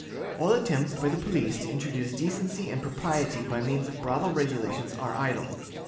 All attempts by the police to introduce decency and propriety by means of brothel regulations are idle.